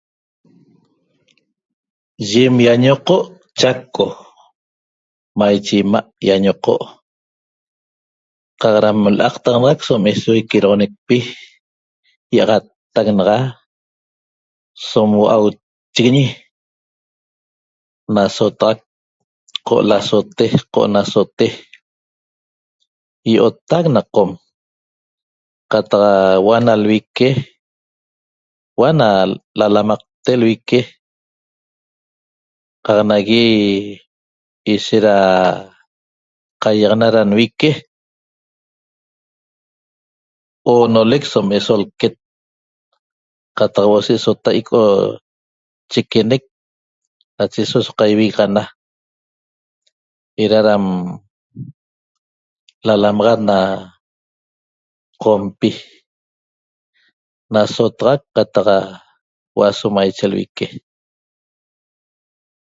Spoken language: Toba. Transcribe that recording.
Yem iañoqo' Chaco maiche ima' iañoqo' qaq ram la'aqtaxanaxac som eso iqueroxonecpi iaxattac naxa som hua'auchiguiñi nasotaxac qo lasote qo nasote io'ottac na qom qataq hu'o ana lvique huo'o na lalamaqte lvique qaq nagui ishet ra qaiaxana ra nvique oonolec som eso lquet qataq huo'o asotai ico chiquenec nache so so qaivigaxana era ram lalamaxat na qompi nasotaxac qataq huo'o aso maiche lvique